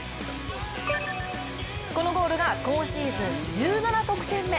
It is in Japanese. このゴールが今シーズン１７得点目。